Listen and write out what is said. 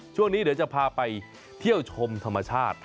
ช่วงนี้เดี๋ยวจะพาไปเที่ยวชมธรรมชาติ